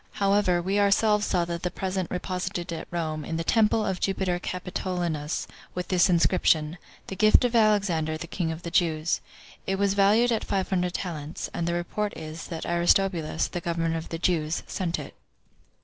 However, we ourselves saw that present reposited at Rome, in the temple of Jupiter Capitolinus, with this inscription, 'The gift of Alexander, the king of the Jews.' It was valued at five hundred talents; and the report is, that Aristobulus, the governor of the Jews, sent it."